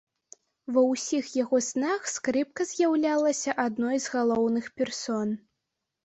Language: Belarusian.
Ва ўсіх яго снах скрыпка з'яўлялася адной з галоўных персон.